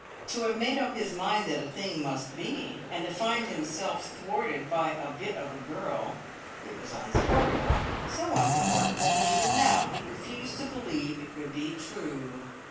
To have made up his mind that a thing must be, and to find himself thwarted by a bit of a girl it was unsupportable! so unsupportable, that even now he refused to believe it could be true.